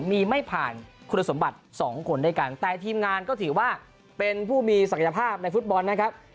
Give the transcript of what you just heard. มีไม่ผ่านคุณสมบัติสองคนด้วยกันแต่ทีมงานก็ถือว่าเป็นผู้มีศักยภาพในฟุตบอลนะครับ